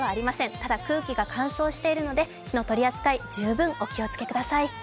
ただ、空気が乾燥しているので火の取り扱い、十分お気をつけください。